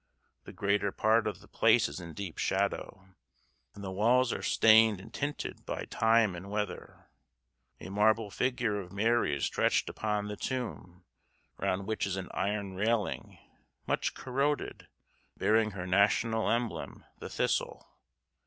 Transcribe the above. The greater part of the place is in deep shadow, and the walls are stained and tinted by time and weather. A marble figure of Mary is stretched upon the tomb, round which is an iron railing, much corroded, bearing her national emblem the thistle.